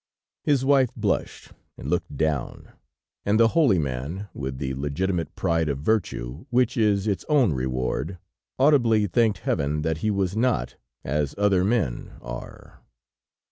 His wife blushed and looked down, and the holy man, with the legitimate pride of virtue which is its own reward, audibly thanked Heaven that he was "not as other men are."